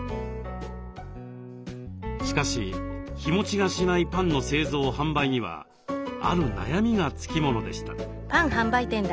しかし日もちがしないパンの製造販売にはある悩みがつきものでした。